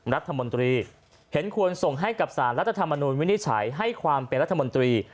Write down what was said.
รัฐมนตรีเห็นควรส่งให้กับสารรัฐธรรมนูลวินิจฉัยให้ความเป็นรัฐมนตรี